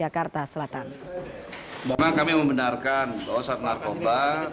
kami membenarkan bahwa satuan narkotika polres jakarta selatan